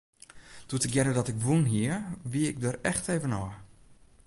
Doe't ik hearde dat ik wûn hie, wie ik der echt even ôf.